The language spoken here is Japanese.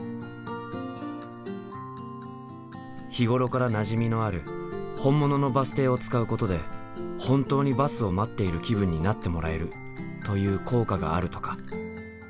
日頃からなじみのある本物のバス停を使うことで本当にバスを待っている気分になってもらえるという効果があるとか。